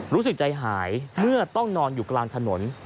รู้สึกใจหายเมื่อต้องนอนอยู่กลางถนน